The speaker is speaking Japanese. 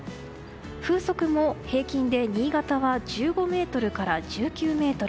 風速も平均で新潟では１５メートルから１９メートル